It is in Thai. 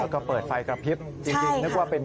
แล้วก็เปิดไฟกระพริบจริงนึกว่าเป็น